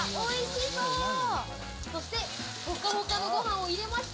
そしてホカホカのご飯を入れました。